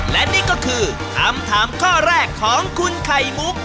และนี่ก็คือคำถามข้อแรกของคุณไข่มุก